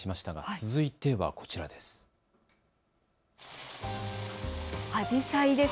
続いてはこちらです。